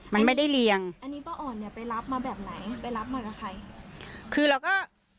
มันไม่ได้เรียงอันนี้ป้าอ่อนเนี้ยไปรับมาแบบไหนไปรับมากับใครคือเราก็